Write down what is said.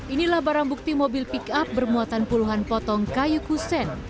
inilah barang bukti mobil pick up bermuatan puluhan potong kayu kusen